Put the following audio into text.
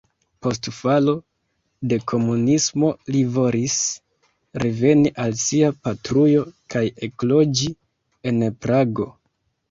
Post falo de komunismo li volis reveni al sia patrujo kaj ekloĝi en Prago.